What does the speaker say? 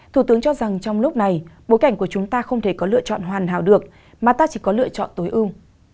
thủ tướng cho rằng trong lúc này bối cảnh của chúng ta không thể có lựa chọn hoàn hảo được mà ta chỉ có lựa chọn tối ưu